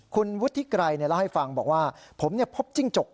คุณวุฒิไกรเนี่ยเล่าให้ฟังบอกว่าผมเนี่ยพบจิ้งจก